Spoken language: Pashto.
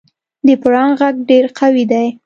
د پړانګ غږ ډېر قوي دی.